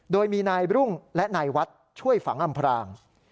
โดยมีนายรุ่งและนายวัดช่วยฝังอำพราง